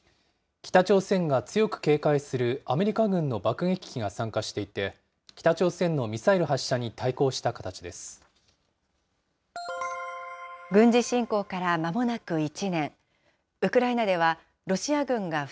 北朝鮮が強く警戒するアメリカ軍の爆撃機が参加していて、北朝鮮のミサイル発射に対抗した形です。